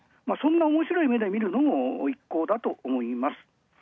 そんなおもしろい目で見るのも一考だと思います。